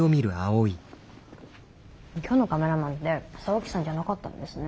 今日のカメラマンって沢木さんじゃなかったんですね。